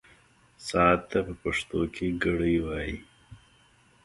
ساعت ته په پښتو کې ګړۍ وايي.